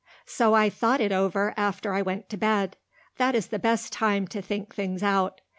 So I thought it over after I went to bed. That is the best time to think things out.